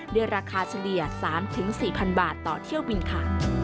ด้วยราคาเฉลี่ย๓๔๐๐๐บาทต่อเที่ยวบินค่ะ